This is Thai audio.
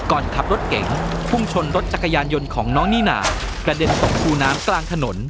ขับรถเก๋งพุ่งชนรถจักรยานยนต์ของน้องนี่นากระเด็นตกคูน้ำกลางถนน